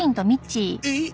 えっ？